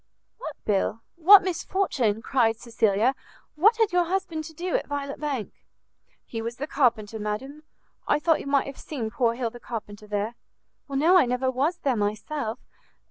"What bill? What misfortune?" cried Cecilia; "what had your husband to do at Violet Bank?" "He was the carpenter, madam. I thought you might have seen poor Hill the carpenter there." "No, I never was there myself.